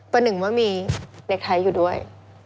ประหนึ่งว่ามีเด็กไทยอยู่ด้วย